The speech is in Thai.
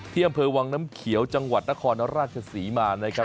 อำเภอวังน้ำเขียวจังหวัดนครราชศรีมานะครับ